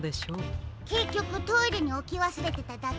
けっきょくトイレにおきわすれてただけでしたけどね。